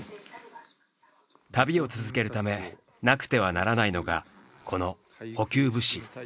旅を続けるためなくてはならないのがこの補給物資。